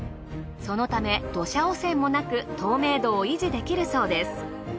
そのため土砂汚染もなく透明度を維持できるそうです。